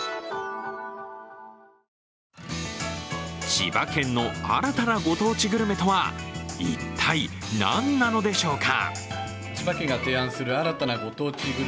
千葉県の新たなご当地グルメとは一体何なのでしょうか？